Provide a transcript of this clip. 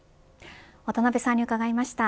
渡辺さんに伺いました。